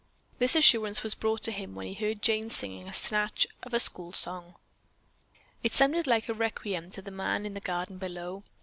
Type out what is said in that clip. This assurance was brought to him when he heard Jane singing a snatch of a school song. It sounded like a requiem to the man in the garden below.